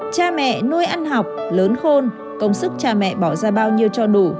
cha mẹ nuôi ăn học lớn khôn công sức cha mẹ bỏ ra bao nhiêu cho đủ